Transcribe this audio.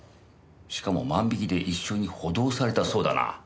しかも万引きで一緒に補導されたそうだな。